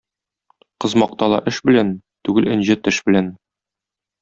Кыз мактала эш белән, түгел энҗе теш белән.